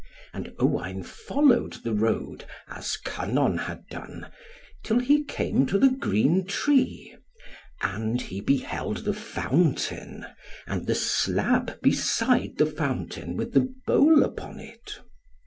And Owain followed the road, as Kynon had done, till he came to the green tree; and he beheld the fountain, and the slab beside the fountain with the bowl upon it.